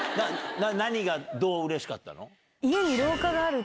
何がどううれしかったの？